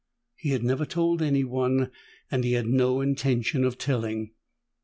He had never told anyone and he had no intention of telling.